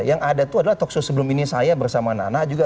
yang ada itu adalah talkshow sebelum ini saya bersama anak anak juga